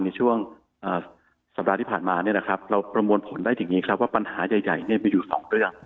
ในช่วงสัปดาห์ที่ผ่านมาเนี่ยนะครับเราประมวลผลได้ถึงนี้ครับว่าปัญหาใหญ่เนี่ยมีอยู่สองเรื่อง